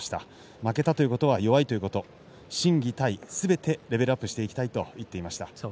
負けたということは弱いということ心技体すべてレベルアップしていきたいと言っていました。